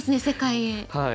世界へ。